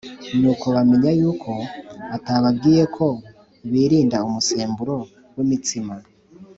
Nuko bamenya yuko atababwiye ko birinda umusemburo w’imitsima,